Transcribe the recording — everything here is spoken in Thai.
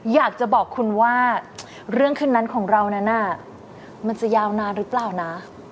อยากจะบอกคุณว่าเรื่องคืนนั้นของเรานั้นมันจะยาวนานหรือเปล่านะ